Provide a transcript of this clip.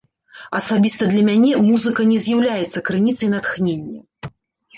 Асабіста для мяне музыка не з'яўляецца крыніцай натхнення.